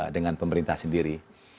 dengan pemerintah sendiri